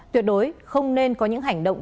tuyệt đối không nên có những hành động